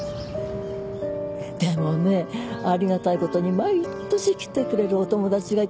でもねありがたいことに毎年来てくれるお友達がいてね。